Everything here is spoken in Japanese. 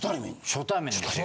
初対面ですよ。